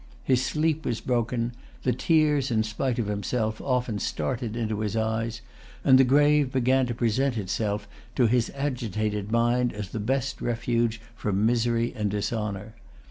His sleep was broken; the tears, in spite of himself, often started into his eyes; and the grave began to present itself to his agitated mind as the best refuge from misery and dishonor.